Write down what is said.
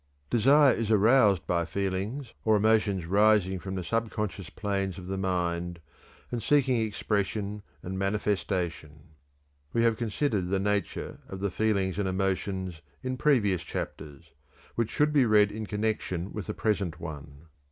Desire is aroused by feelings or emotions rising from the subconscious planes of the mind and seeking expression and manifestation. We have considered the nature of the feelings and emotions in previous chapters, which should be read in connection with the present one.